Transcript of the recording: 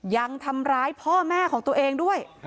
ยังทำร้ายพ่อแม่ของตัวเองด้วย